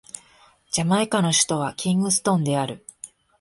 ジャマイカの首都はキングストンである